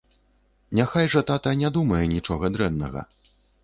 Няхай жа тата не думае нічога дрэннага.